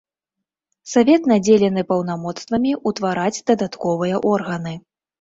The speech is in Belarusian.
Савет надзелены паўнамоцтвамі ўтвараць дадатковыя органы.